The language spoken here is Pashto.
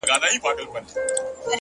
د لرې څراغونو کرښه د شپې حد ټاکي